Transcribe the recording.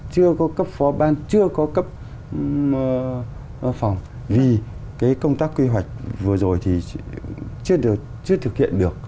chưa có cấp phó ban chưa có cấp phòng vì cái công tác quy hoạch vừa rồi thì chưa thực hiện được